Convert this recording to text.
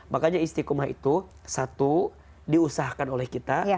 makanya istiqomah itu satu diusahakan oleh kita